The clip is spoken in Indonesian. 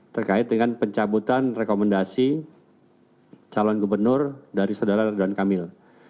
terkait dengan pencabutan rekomendasi calon gubernur dari saudara ridwan kamil